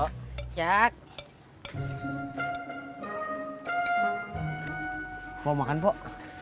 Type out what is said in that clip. pak mau makan pak